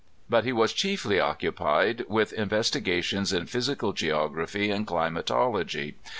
But he was chiefly occupied with investigations in physical geography and climatology.